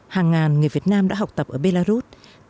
hàng ngàn người việt nam đã học tập ở belarus